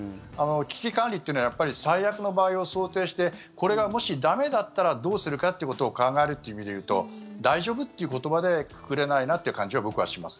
危機管理ってのは最悪の場合を想定してこれがもし駄目だったらどうするかってことを考えるという意味でいうと大丈夫という言葉でくくれないなって感じが僕はします。